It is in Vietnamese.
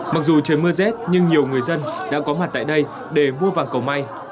mặc dù trời mưa rét nhưng nhiều người dân đã có mặt tại đây để mua vàng cầu may